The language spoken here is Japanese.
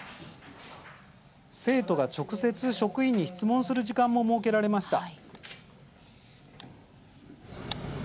生徒が直接職員に質問する時間も設けられました。